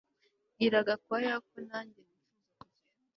Bwira Gakwaya ko nanjye nifuza kugenda